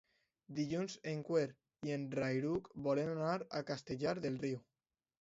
Dilluns en Quer i en Rauric volen anar a Castellar del Riu.